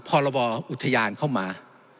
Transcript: พรบอุทยานเข้ามา